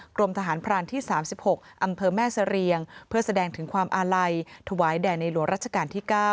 กรมทหารพรานที่๓๖อำเภอแม่เสรียงเพื่อแสดงถึงความอาลัยถวายแด่ในหลวงรัชกาลที่๙